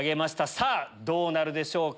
さぁどうなるでしょうか？